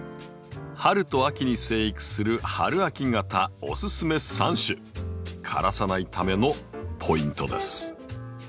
春と秋に生育する春秋型おススメ３種枯らさないためのポイントです。